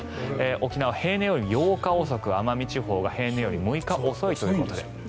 沖縄は平年より８日遅く奄美地方は平年より６日遅いと。